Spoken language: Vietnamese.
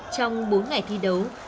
trong bốn ngày thi đấu